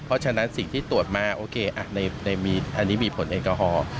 เพราะฉะนั้นสิ่งที่ตรวจมาโอเคอันนี้มีผลแอลกอฮอล์